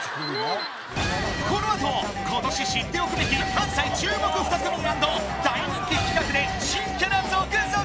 このあと今年知っておくべき関西注目２組＆大人気企画で新キャラ続々